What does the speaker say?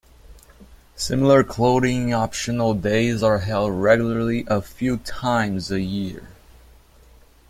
Similar clothing optional days are held regularly a few times a year.